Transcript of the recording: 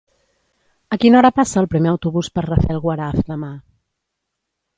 A quina hora passa el primer autobús per Rafelguaraf demà?